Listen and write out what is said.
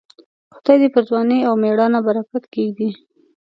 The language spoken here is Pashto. خدای دې پر ځوانۍ او مړانه برکت کښېږدي.